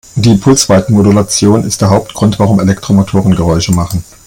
Die Pulsweitenmodulation ist der Hauptgrund, warum Elektromotoren Geräusche machen.